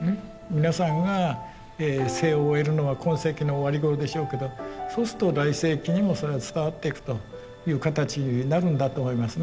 皆さんが生を終えるのは今世紀の終わり頃でしょうけどそうすると来世紀にもそれは伝わっていくという形になるんだと思いますね。